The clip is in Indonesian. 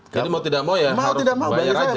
jadi mau tidak mau ya harus bayar aja